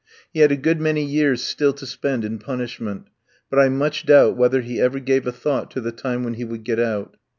He had a good many years still to spend in punishment, but I much doubt whether he ever gave a thought to the time when he would get out.